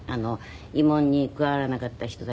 慰問に加わらなかった人たちね。